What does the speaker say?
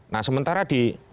nah sementara di